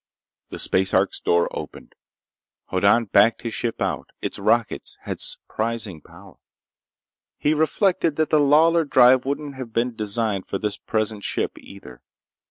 The space ark's door opened. Hoddan backed his ship out. Its rockets had surprising power. He reflected that the Lawlor drive wouldn't have been designed for this present ship, either.